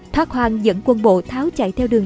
thoát hoàng dẫn quân bộ tháo chạy theo đường